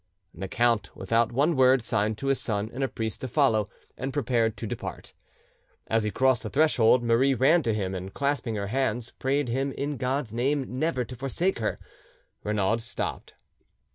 The count, without one word, signed to his son and a priest to follow, and prepared to depart. As he crossed the threshold Marie ran to him, and clasping her hands, prayed him in God's name never to forsake her. Renaud stopped.